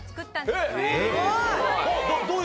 すごい！